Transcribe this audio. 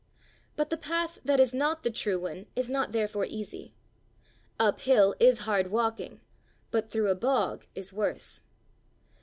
But the path that is not the true one is not therefore easy. Up hill is hard walking, but through a bog is worse.